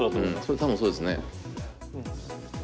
多分そうですね。